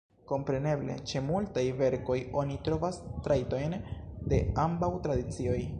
Kompreneble, ĉe multaj verkoj oni trovas trajtojn de ambaŭ tradicioj.